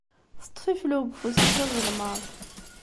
Teṭṭef iflew deg ufus-is azelmaḍ.